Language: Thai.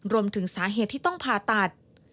รวมถึงสาเหตุที่ต้องผ่าตัด